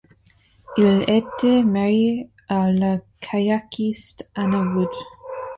Il était marié à la kayakiste Anna Wood.